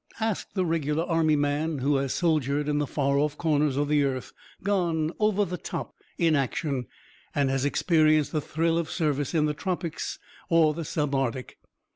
Ask the Regular Army man who has soldiered in the far off corners of the earth, gone "over the top" in action, and has experienced the thrill of service in the tropics or the sub arctic.